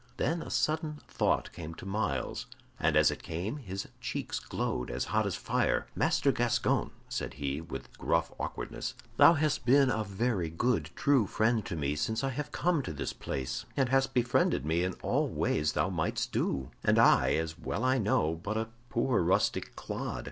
Then a sudden thought came to Myles, and as it came his cheeks glowed as hot as fire "Master Gascoyne," said he, with gruff awkwardness, "thou hast been a very good, true friend to me since I have come to this place, and hast befriended me in all ways thou mightest do, and I, as well I know, but a poor rustic clod.